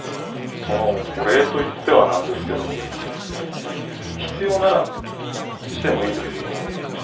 そのお礼と言ってはなんですけど必要ならしてもいいですよ。